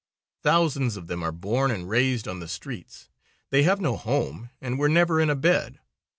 Thousands of them are born and raised on the streets. They have no home and were never in a bed.